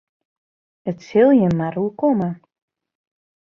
It sil jin mar oerkomme.